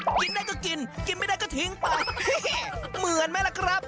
กินได้ก็กินกินไม่ได้ก็ทิ้งไปเหมือนไหมล่ะครับ